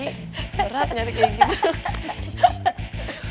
perat nyari kayak gitu